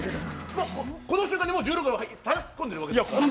この瞬間に１６連射たたき込んでるわけですから。